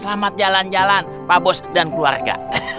selamat jalan jalan pak bos dan keluarga